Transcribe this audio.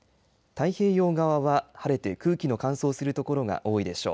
太平洋側は晴れて、空気の乾燥するところが多いでしょう。